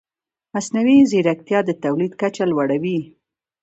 مصنوعي ځیرکتیا د تولید کچه لوړه وي.